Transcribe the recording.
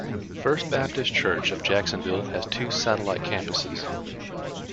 First Baptist Church of Jacksonville has two satellite campuses.